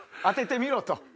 当ててみろと。